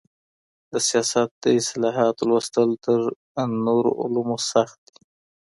د سياست د اصطلاحاتو لوستل تر نورو علومو سخت دي.